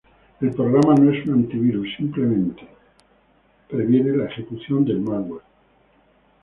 El programa no es un antivirus, simplemente previene la ejecución del malware.